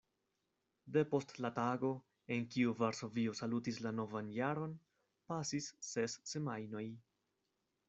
Depost la tago, en kiu Varsovio salutis la novan jaron, pasis ses semajnoj.